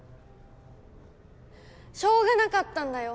しょうがなかったんだよ。